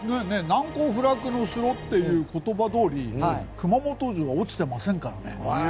難攻不落の城っていう言葉どおり熊本城は落ちてませんからね。